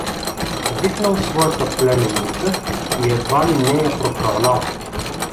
Викнал своята племенница и едва ли не я прокълнал.